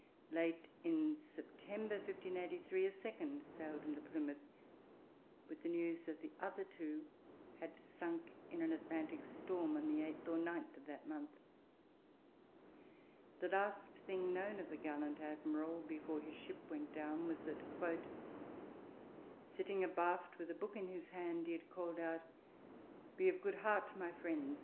Late in September 1583 a second sailed into Plymouth with the news that the other two had sunk in an Atlantic storm on the 8th or 9th of that month. The last thing known of the gallant admiral before his ship went down was that 'sitting abaft with a book in his hand,' he had called out 'Be of good heart, my friends!